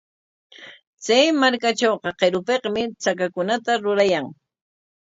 Chay markatrawqa qirupikmi chakakunata rurayan.